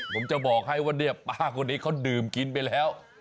ผมจะบอกให้ว่าเนี่ยป้าคนนี้เขาดื่มกินไปแล้ว